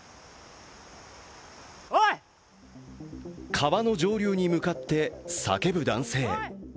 川の上流に向かって叫ぶ男性。